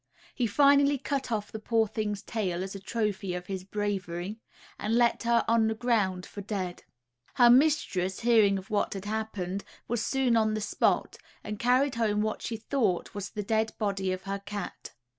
He finally cut off the poor thing's tail as a trophy of his bravery, and left her on the ground for dead. Her mistress, hearing of what had happened, was soon on the spot, and carried home what she thought was the dead body of her cat.